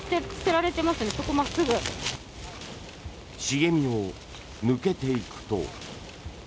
茂みを抜けていくと。